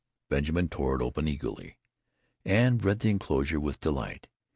Benjamin tore it open eagerly, and read the enclosure with delight.